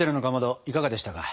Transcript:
いかがでしたか？